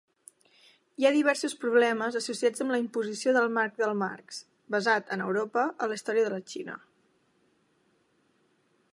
Hi ha diversos problemes associats amb la imposició del marc de Marx basat en Europa a la història de la Xina.